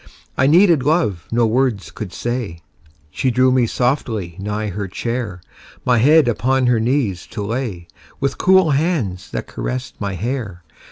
I needed love no words could say; She drew me softly nigh her chair, My head upon her knees to lay, With cool hands that caressed my hair.